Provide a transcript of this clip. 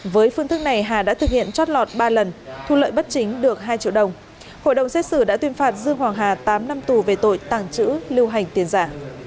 với phương thức này hà đã thực hiện trót lọt ba lần thu lợi bất chính được hai triệu đồng hội đồng xét xử đã tuyên phạt dương hoàng hà tám năm tù về tội tàng trữ lưu hành tiền giả